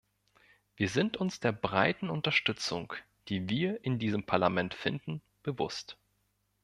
Wir sind uns der breiten Unterstützung, die wir in diesem Parlament finden, bewusst.